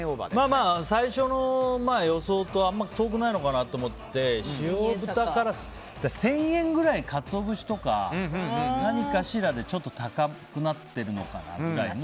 最初の予想と遠くないのかなと思って塩豚から１０００円くらい、カツオ節とか何かしらで高くなってるのかなくらいの。